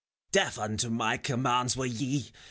Deaf unto my commands were ye !